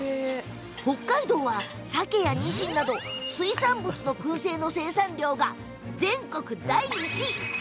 北海道は、さけやにしんなど水産物のくん製の生産量が全国第１位。